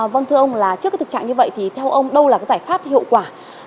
vâng thưa ông là trước cái thực trạng như vậy thì theo ông đâu là cái giải pháp hiệu quả